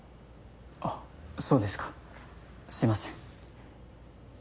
あっそうですかすみません。